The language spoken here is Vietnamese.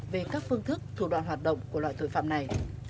về các phương thức thủ đoạn hoạt động của loại tội phạm này